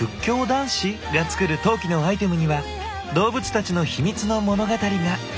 男子が作る陶器のアイテムには動物たちの秘密の物語が。